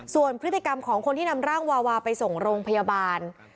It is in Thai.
ส่วนพฤติกรรมของคนที่นำร่างวาวาไปส่งโรงพยาบาล